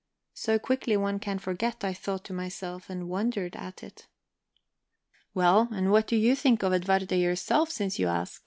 So quickly one can forget, I thought to myself, and wondered at it. "Well, and what do you think of Edwarda yourself, since you ask?